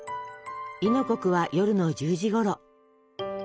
亥の刻は夜の１０時ごろ。